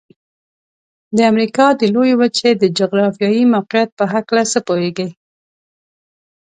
د امریکا د لویې وچې د جغرافيايي موقعیت په هلکه څه پوهیږئ؟